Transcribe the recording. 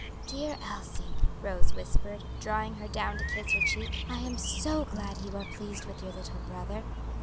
"Dear Elsie," Rose whispered, drawing Her down to kiss her cheek, "I am so glad you are pleased with your little brother."